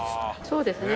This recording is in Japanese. そうですね